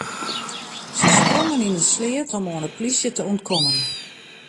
Se sprongen yn in sleat om oan de polysje te ûntkommen.